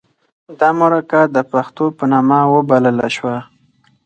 د مرکه د پښتو په نامه وبلله شوه.